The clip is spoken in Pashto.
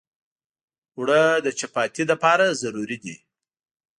اوړه د چپاتي لپاره ضروري دي